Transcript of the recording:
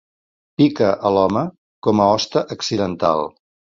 Pica a l'home com a hoste accidental.